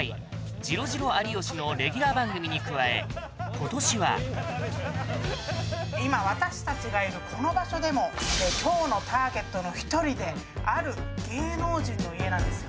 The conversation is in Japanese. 「ジロジロ有吉」のレギュラー番組に加え今年は今私たちがいるこの場所でも今日のターゲットの一人である芸能人の家なんですよ